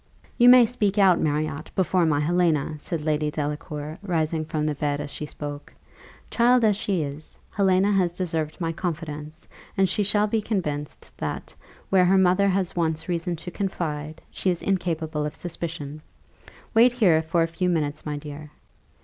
"You may speak out, Marriott, before my Helena," said Lady Delacour, rising from the bed as she spoke: "child as she is, Helena has deserved my confidence; and she shall be convinced that, where her mother has once reason to confide, she is incapable of suspicion. Wait here for a few minutes, my dear."